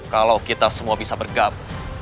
kalau kita semua bisa bergabung